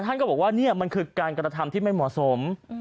ท่านก็บอกว่านี่มันคือการกระทำที่ไม่เหมาะสม